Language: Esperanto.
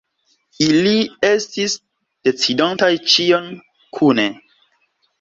Ili estis decidantaj ĉion kune.